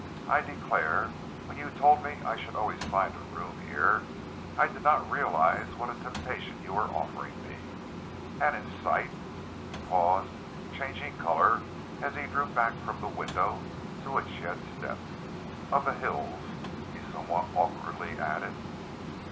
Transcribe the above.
"I declare, when you told me I should always find a room here, I did not realize what a temptation you were offering me. And in sight " He paused, changing color as he drew back from the window to which he had stepped, "of the hills," he somewhat awkwardly added.